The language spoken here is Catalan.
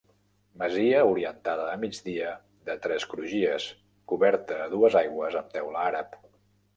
Masia orientada a migdia de tres crugies coberta a dues aigües amb teula àrab.